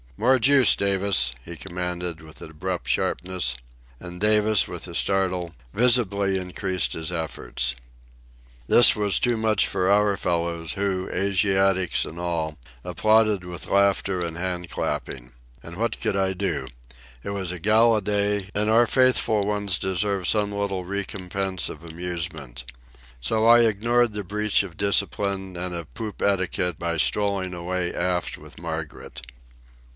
"More juice, Davis!" he commanded with abrupt sharpness. And Davis, with a startle, visibly increased his efforts. This was too much for our fellows, who, Asiatics and all, applauded with laughter and hand clapping. And what could I do? It was a gala day, and our faithful ones deserved some little recompense of amusement. So I ignored the breach of discipline and of poop etiquette by strolling away aft with Margaret.